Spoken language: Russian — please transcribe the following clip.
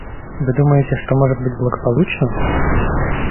Вы думаете, что может быть благополучно?